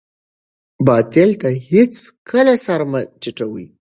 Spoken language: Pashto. باطل ته هېڅکله سر مه ټیټوئ.